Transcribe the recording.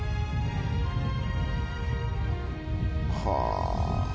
「はあ」